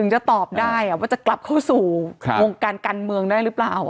จะตอบได้ว่าจะกลับเข้าสู่วงการการเมืองได้หรือเปล่า